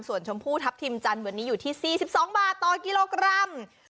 ส่วนชมพูทัพทิมจันทร์วันนี้อยู่ที่๔๒บาทต่อกิโลกรัม